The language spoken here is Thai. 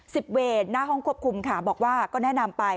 เวรหน้าห้องควบคุมค่ะบอกว่าก็แนะนำไป